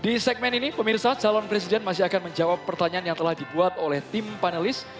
di segmen ini pemirsa calon presiden masih akan menjawab pertanyaan yang telah dibuat oleh tim panelis